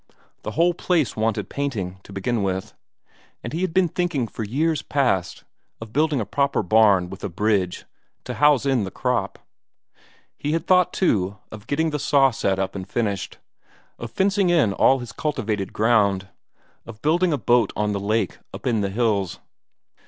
The whole place wanted painting, to begin with. And he had been thinking for years past of building a proper barn with a bridge, to house in the crop. He had thought, too, of getting that saw set up and finished; of fencing in all his cultivated ground; of building a boat on the lake up in the hills.